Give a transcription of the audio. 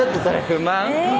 不満？